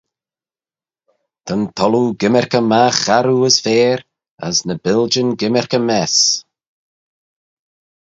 Ta'n thalloo gymmyrkey magh arroo as faiyr, as ny biljyn gymmyrkey mess.